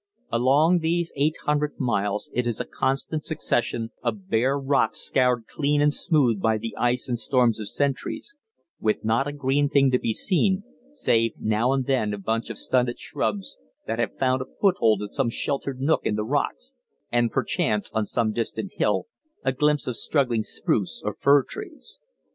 Along these eight hundred miles it is a constant succession of bare rocks scoured clean and smooth by the ice and storms of centuries, with not a green thing to be seen, save now and then a bunch of stunted shrubs that have found a foothold in some sheltered nook in the rocks, and perchance, on some distant hill, a glimpse of struggling spruce or fir trees.